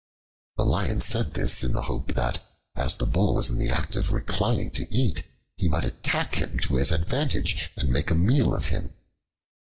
The Lion said this in the hope that, as the Bull was in the act of reclining to eat, he might attack him to advantage, and make his meal on him.